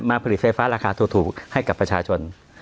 ผลิตไฟฟ้าราคาถูกให้กับประชาชน